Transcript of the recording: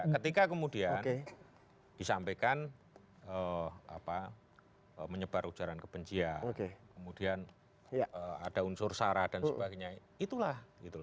ketika kemudian disampaikan menyebar ujaran kebencian kemudian ada unsur sara dan sebagainya itulah